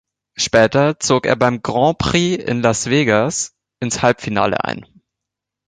Später zog er beim Grand Prix in Las Vegas ins Halbfinale ein.